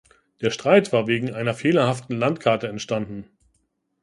Der Streit war wegen einer fehlerhaften Landkarte entstanden.